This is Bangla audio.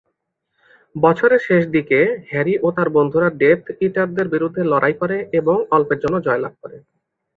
বছরের শেষ দিকে, হ্যারি ও তার বন্ধুরা ডেথ ইটারদের বিরুদ্ধে লড়াই করে এবং অল্পের জন্য জয়লাভ করে।